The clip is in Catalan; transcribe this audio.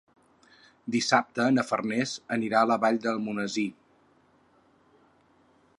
Dissabte na Farners anirà a la Vall d'Almonesir.